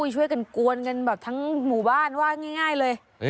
ช่วยกันกวนกันแบบทั้งหมู่บ้านว่าง่ายเลย